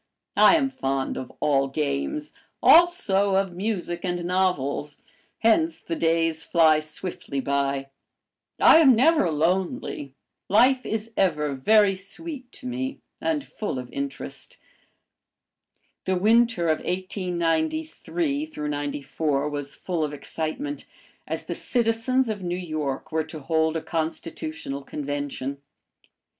I am fond of all games, also of music and novels, hence the days fly swiftly by; I am never lonely, life is ever very sweet to me and full of interest. The winter of 1893 94 was full of excitement, as the citizens of New York were to hold a Constitutional Convention.